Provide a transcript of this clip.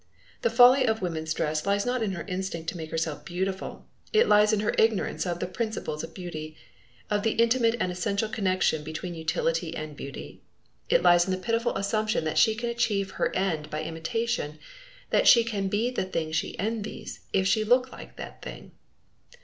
The folly of woman's dress lies not in her instinct to make herself beautiful, it lies in her ignorance of the principles of beauty, of the intimate and essential connection between utility and beauty. It lies in the pitiful assumption that she can achieve her end by imitation, that she can be the thing she envies if she look like that thing.